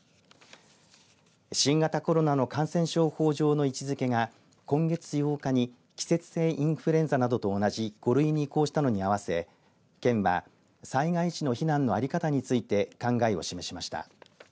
新型コロナの感染症法上の位置づけが今月８日に季節性インフルエンザなどと同じ５類に移行したのに合わせ県は災害時の避難の在り方について考えを示しました。